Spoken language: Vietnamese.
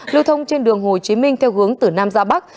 lưu thông trên đường hồ chí minh theo hướng từ nam ra bắc